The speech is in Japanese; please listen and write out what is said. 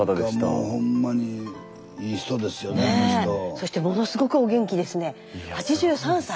そしてものすごくお元気ですね８３歳。